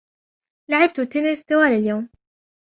لعبت التنس طوال اليوم.